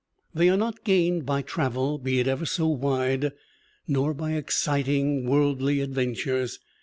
They are not gained by travel be it ever so wide, nor by exciting worldly adven tures.